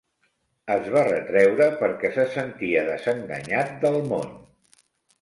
Es va retreure perquè se sentia desenganyat del món.